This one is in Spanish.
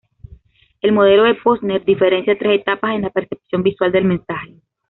El "modelo de Posner" diferencia tres etapas en la percepción visual del mensaje.